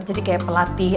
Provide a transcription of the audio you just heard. jadi kayak pelatih